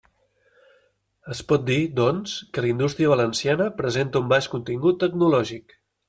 Es pot dir, doncs, que la indústria valenciana presenta un baix contingut tecnològic.